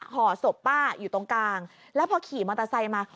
ห่อศพป้าอยู่ตรงกลางแล้วพอขี่มอเตอร์ไซค์มา